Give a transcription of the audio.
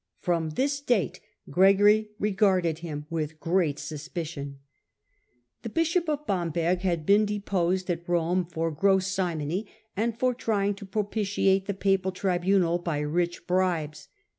From this date Gregory re garded him with great suspicion. ,*^^ ''^T^telBIsEop of Bamberg had been deposed at Rome for gross simony, and for trying to propitiate the papal tribunal by rich bribes.